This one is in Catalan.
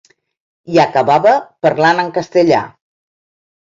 I acabava parlant en castellà.